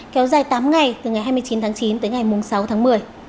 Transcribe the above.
kéo dài tám ngày từ ngày hai mươi chín tháng chín tới ngày sáu tháng một mươi